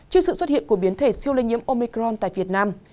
trước sự xuất hiện của biến thể siêu lây nhiễm omicron tại việt nam